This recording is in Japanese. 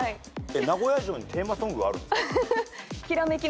名古屋城にテーマソングあるんですか？